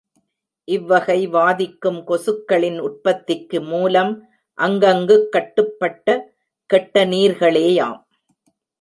இவ்வகை வாதிக்கும் கொசுக்களின் உற்பத்திக்கு மூலம் அங்கங்குக் கட்டுப்பட்ட கெட்ட நீர்களேயாம்.